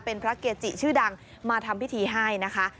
เป็นพระเกจิชื่อดังมาทำพิธีให้นะคะ